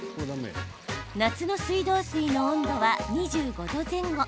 夏の水道水の温度は２５度前後。